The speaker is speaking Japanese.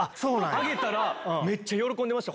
あげたらめっちゃ喜んでました。